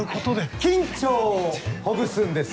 緊張をほぐすんです。